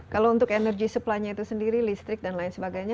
kalau untuk energi supplynya itu sendiri listrik dan lain sebagainya